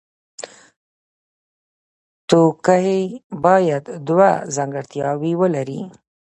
توکی باید دوه ځانګړتیاوې ولري.